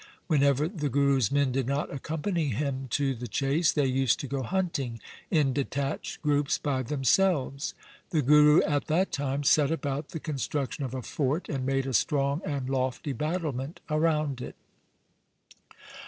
Whenever the Guru's men did not accompany him to the chase, they used to go hunting in detached groups by themselves. The Guru at that time set about the construction of a fort, and made a strong and lofty battlement around it.